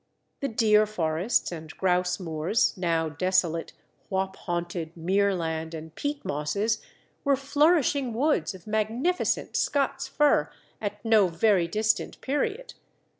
The deer forests and grouse moors, now desolate, whaup haunted muir land and peat mosses, were flourishing woods of magnificent Scots fir at no very distant period.